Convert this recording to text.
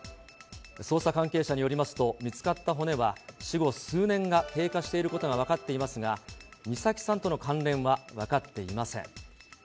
捜査関係者によりますと、見つかった骨は死後数年が経過していることが分かっていますが、美咲さんとの関連は分かっていません。